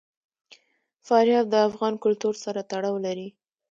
فاریاب د افغان کلتور سره تړاو لري.